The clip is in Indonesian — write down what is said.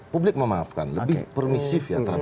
publik memaafkan lebih permisif